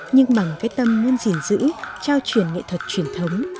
nhưng bằng cái tâm nguyên diễn giữ trao truyền nghệ thuật truyền thống